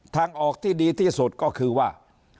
ทางออกที่ดีที่สุดก็คือว่า